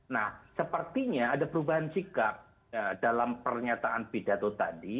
nah sepertinya ada perubahan sikap dalam pernyataan pidato tadi